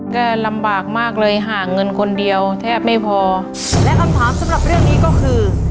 ก็ลำบากมากเลยหาเงินคนเดียวแทบไม่พอและคำถามสำหรับเรื่องนี้ก็คือ